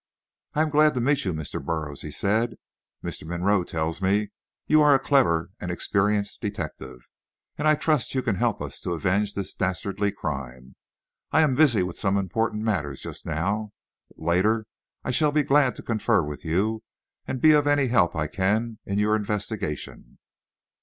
"I am glad to meet you, Mr. Burroughs," he said. "Mr. Monroe tells me you are a clever and experienced detective, and I trust you can help us to avenge this dastardly crime. I am busy with some important matters just now, but later I shall be glad to confer with you, and be of any help I can in your investigation."